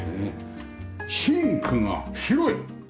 シンクが広い！